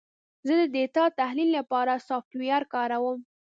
زه د ډیټا تحلیل لپاره سافټویر کاروم.